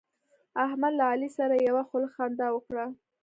احمد له علي سره یوه خوله خندا وکړه.